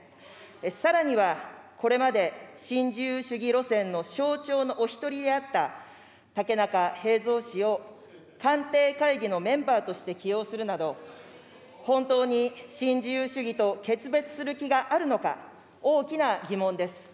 さらにはこれまで新自由主義路線の象徴のお一人であった、竹中平蔵氏を官邸会議のメンバーとして起用するなど、本当に新自由主義と決別する気があるのか、大きな疑問です。